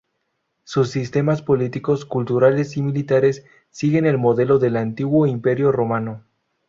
Sus sistemas políticos, culturales y militares siguen el modelo del antiguo Imperio Romano.